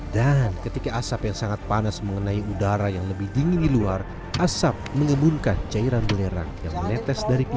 dan ketika asap yang sangat panas mengenai udara yang lebih dingin di luar asap mengebunkan cairan belerang yang menetes dari pipa